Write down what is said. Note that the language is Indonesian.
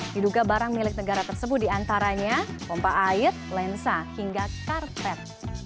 diduga barang milik negara tersebut diantaranya pompa air lensa hingga karpet